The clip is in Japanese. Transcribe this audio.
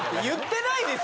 言ってない？